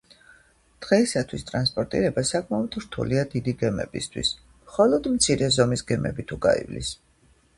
დღეისათვის ტრანსპორტირება საკმაოდ რთულია დიდი გემებისთვის, მხოლოდ მცირე ზომის გემი თუ გაივლის.